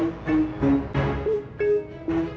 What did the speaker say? gak ada mesin